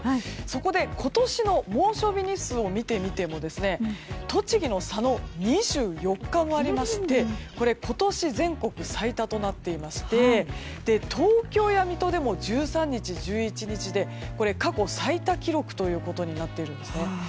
そこで今年の猛暑日日数を見てみても栃木の佐野、２４日もありましてこれは今年全国最多となっていまして東京や水戸でも１３日、１１日でこれは過去最多記録ということになっているんです。